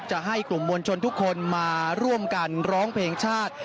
จะให้กลุ่มมวลชนทุกคนมาร่วมกันร้องเพลงชาติ